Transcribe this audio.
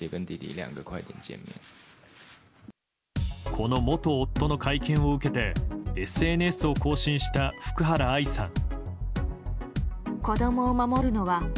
この元夫の会見を受けてＳＮＳを更新した福原愛さん。